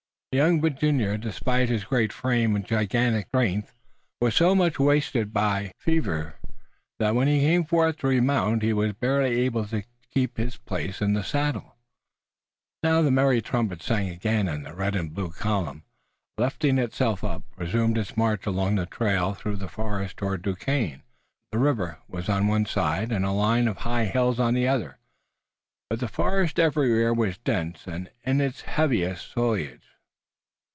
The young Virginian, despite his great frame and gigantic strength, was so much wasted by fever that, when he came forth to remount, he was barely able to keep his place in his saddle. Now the merry trumpets sang again and the red and blue column, lifting itself up, resumed its march along the trail through the forest toward Duquesne. The river was on one side and a line of high hills on the other, but the forest everywhere was dense and in its heaviest foliage.